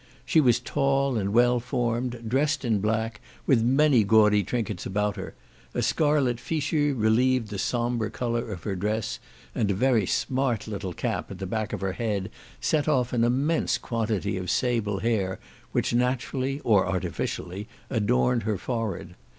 She was tall, and well formed, dressed in black, with many gaudy trinkets about her: a scarlet fichu relieved the sombre colour of her dress, and a very smart little cap at the back of her head set off an immense quantity of sable hair, which naturally, or artificially, adorned her forehead.